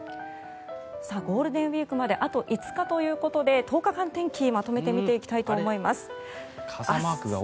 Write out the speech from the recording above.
ゴールデンウィークまであと５日ということで１０日間天気をまとめて見ていきたいと思います。